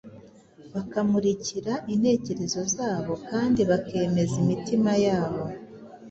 bakamurikira intekerezo zabo kandi bakemeza imitima yabo.